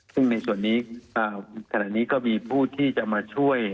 ซึ่งในส่วนนี้ขณะนี้ก็มีผู้ที่จะมาช่วย